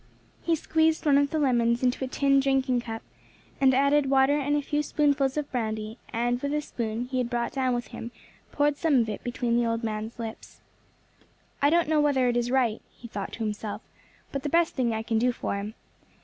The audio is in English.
He squeezed one of the lemons into a tin drinking cup, and added water and a few spoonfuls of brandy, and, with a spoon he had brought down with him, poured some of it between the old man's lips. "I don't know whether it's right," he thought to himself, "but it's the best thing I can do for him.